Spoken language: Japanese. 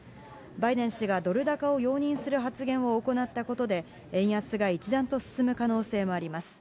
バイデン氏がドル高を容認する発言を行ったことで、円安が一段と進む可能性もあります。